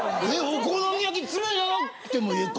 お好み焼き爪長くてもええか？